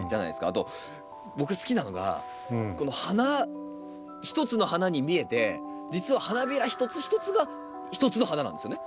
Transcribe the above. あと僕好きなのがこの花ひとつの花に見えて実は花びらひとつひとつがひとつの花なんですよね。